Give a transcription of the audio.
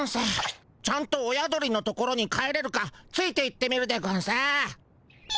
ちゃんと親鳥の所に帰れるかついていってみるでゴンス。